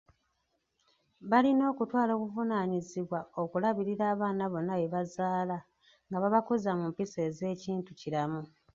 Balina okutwala obuvunaanyizibwa okulabirira abaana bonna be bazaala, nga babakuza mu mpisa ez'ekintu kiramu